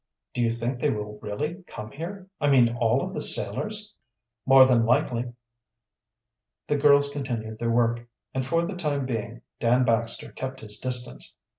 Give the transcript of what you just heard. "Do you think they will really come here I mean all of the sailors?" "More than likely." The girls continued their work, and for the time being Dan Baxter kept his distance.